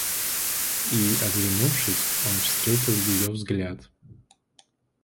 И, оглянувшись, он встретил ее взгляд.